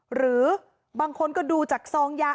หรือบางคนก็ดูจากซองยา